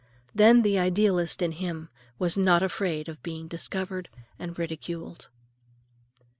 Then the idealist in him was not afraid of being discovered and ridiculed.